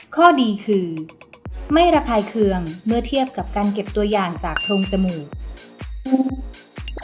ข้อดีคือไม่ระคายเคืองเมื่อเทียบกับการเก็บตัวอย่างจากโพรงจมูก